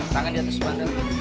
sangat diantus pandang